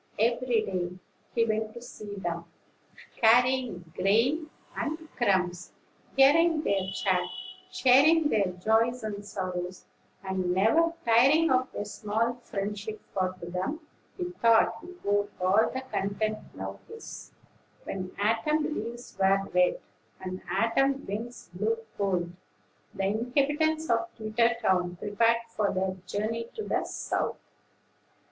Every day he went to see them, carrying grain and crumbs, hearing their chat, sharing their joys and sorrows, and never tiring of their small friendship; for to them, he thought, he owed all the content now his. When autumn leaves were red, and autumn winds blew cold, the inhabitants of Twittertown prepared for their journey to the South.